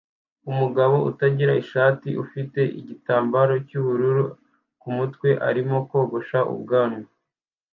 Umugabo utagira ishati ufite igitambaro cyubururu kumutwe arimo kogosha ubwanwa